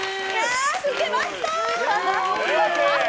吹けました！